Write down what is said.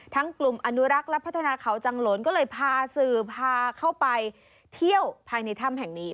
กลุ่มอนุรักษ์และพัฒนาเขาจังหลนก็เลยพาสื่อพาเข้าไปเที่ยวภายในถ้ำแห่งนี้